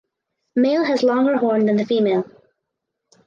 Male has longer horn than the female.